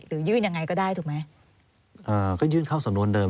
หรือยื่นยังไงก็ได้ถูกไหม